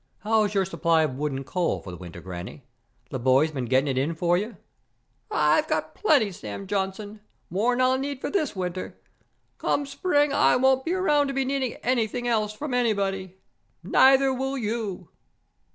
How's your supply of wood and coal for the winter, Granny? The boys been getting it in for you?" "I got plenty, Sam Johnson. More'n I'll need for this winter. Come spring, I won't be around to be needing anything else from anybody. Neither will you!"